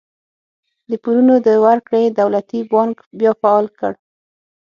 د پورونو د ورکړې دولتي بانک بیا فعال کړ.